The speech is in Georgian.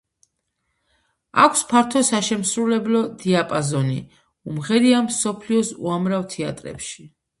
აქვს ფართო საშემსრულებლო დიაპაზონი, უმღერია მსოფლიოს უამრავ თეატრებში.